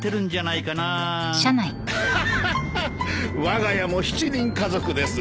わが家も７人家族です。